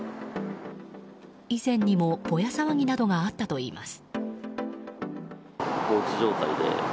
以前にもボヤ騒ぎなどがあったといいます。